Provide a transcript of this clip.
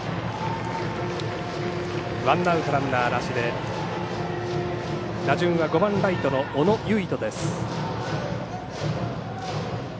ワンアウトランナーなしで打順は５番ライトの小野唯斗。